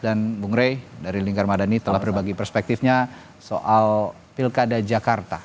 dan bung rey dari lingkar madani telah berbagi perspektifnya soal pilkada jakarta